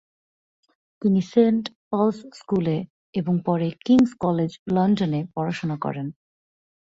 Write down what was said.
তিনি Saint Paul's স্কুলে এবং পরে কিংস কলেজ লন্ডনে পড়াশুনা করেন।